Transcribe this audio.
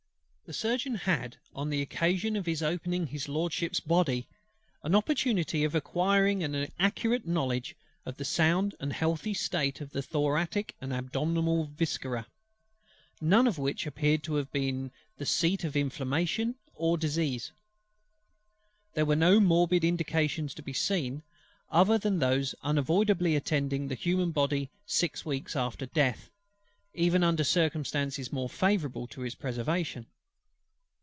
The Surgeon had, on the occasion of opening HIS LORDSHIP'S Body, an opportunity of acquiring an accurate knowledge of the sound and healthy state of the thoracic and abdominal viscera, none of which appeared to have ever been the seat of inflammation or disease. There were no morbid indications to be seen; other than those unavoidably attending the human body six weeks after death, even under circumstances more favourable to its preservation.